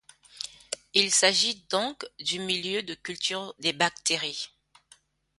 Il s'agit donc du milieu de culture des bactéries.